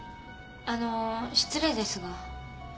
あのう失礼ですが。